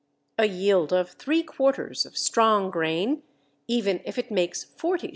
A yield of three quarters of strong grain, even if it makes 40_s.